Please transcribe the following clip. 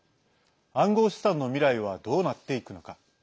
暗号資産の未来はどうなっていくのか。